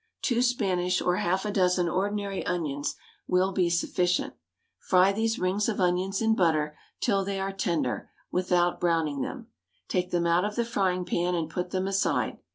Two Spanish or half a dozen ordinary onions will be sufficient. Fry these rings of onions in butter till they are tender, without browning them. Take them out of the frying pan and put them aside.